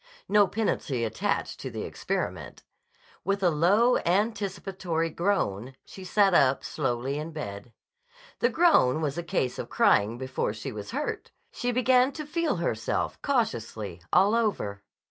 No penalty attached to the experiment. With a low, anticipatory groan she sat up slowly in bed. The groan was a case of crying before she was hurt. She began to feel herself cautiously all over.